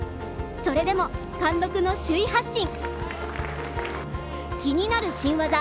それでも単独の首位発進。